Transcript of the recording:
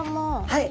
はい。